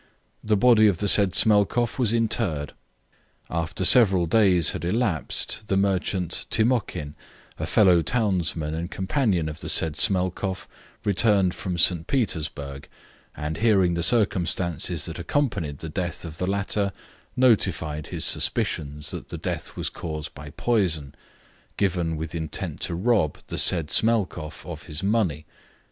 The body of the said Smelkoff was interred. After several days had elapsed, the merchant Timokhin, a fellow townsman and companion of the said Smelkoff, returned from St. Petersburg, and hearing the circumstances that accompanied the death of the latter, notified his suspicions that the death was caused by poison, given with intent to rob the said Smelkoff of his money.